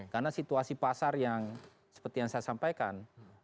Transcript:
karena situasi pasar yang seperti yang saya sampaikan